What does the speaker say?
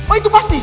oh itu pasti